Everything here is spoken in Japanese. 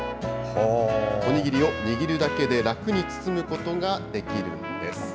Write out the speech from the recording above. お握りを握るだけで楽に包むことができるんです。